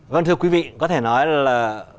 vâng thưa quý vị có thể nói là